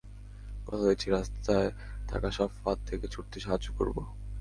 কথা দিচ্ছি, রাস্তায় থাকা সব ফাঁদ থেকে ছুটতে সাহায্য করব।